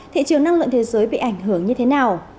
thị trường năng lượng thế giới bị ảnh hưởng như thế nào